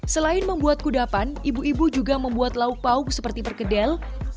selain membuat kudapan ibu ibu juga membuat lauk pauk seperti perkedel